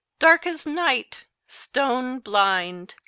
"Dark as night! Stone blind!"